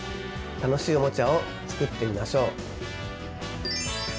楽しいおもちゃを作ってみましょう！